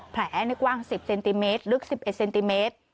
กว้าง๑๐เซนติเมตรลึก๑๑เซนติเมตร